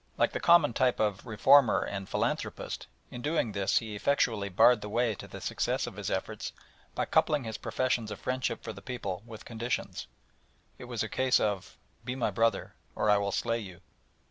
Like the common type of "Reformer" and "Philanthropist," in doing this he effectually barred the way to the success of his efforts by coupling his professions of friendship for the people with conditions. It was a case of "Be my brother, or I will slay you."